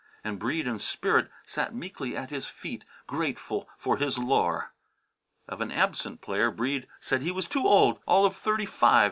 And Breede in spirit sat meekly at his feet, grateful for his lore. Of an absent player, Breede said he was too old all of thirty five.